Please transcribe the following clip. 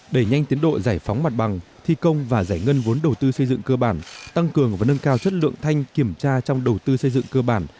đẩy nhanh tiến độ giải phóng mặt bằng thi công và giải ngân vốn đầu tư xây dựng cơ bản tăng cường và nâng cao chất lượng thanh kiểm tra trong đầu tư xây dựng cơ bản